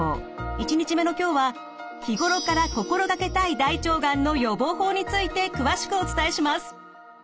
１日目の今日は日頃から心掛けたい大腸がんの予防法について詳しくお伝えします。